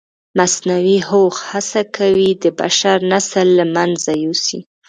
مصنوعي هوښ هڅه کوي د بشر نسل له منځه یوسي.